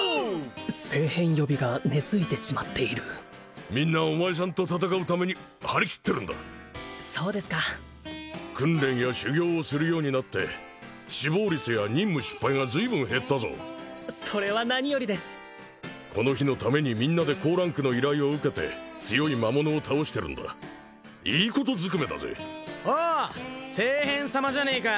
聖変呼びが根づいてしまっているみんなお前さんと戦うために張り切ってるんだそうですか訓練や修行をするようになって死亡率や任務失敗が随分減ったぞそれは何よりですこの日のためにみんなで高ランクの依頼を受けて強い魔物を倒してるんだいいことずくめだぜおう聖変様じゃねえか